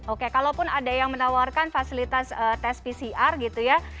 oke kalaupun ada yang menawarkan fasilitas tes pcr gitu ya